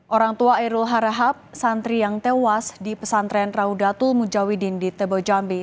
orang tua erul harahab santri yang tewas di pesantren raudatul mujawidin di tebo jambi